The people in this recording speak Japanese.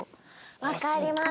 わかります。